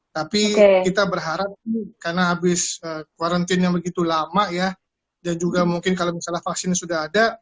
tapi kita berharap karena habis quarantine yang begitu lama ya dan juga mungkin kalau misalnya vaksin sudah ada